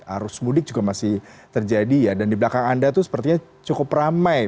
arus mudik juga masih terjadi ya dan di belakang anda itu sepertinya cukup ramai